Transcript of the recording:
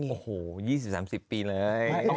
โอ้โห๒๐๓๐ปีเลย